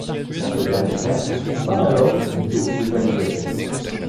Dans ce dernier cas, on parle alors plutôt de valideur.